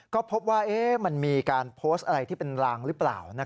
ก็พบว่ามันมีการโพสต์อะไรที่เป็นลางหรือเปล่า